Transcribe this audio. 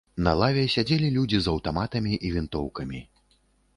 На лаве сядзелі людзі з аўтаматамі і вінтоўкамі.